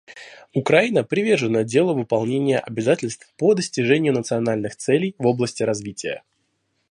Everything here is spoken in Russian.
Украина привержена делу выполнения обязательств по достижению национальных целей в области развития.